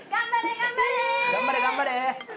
頑張れ頑張れ。